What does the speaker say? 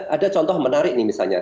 ada contoh menarik nih misalnya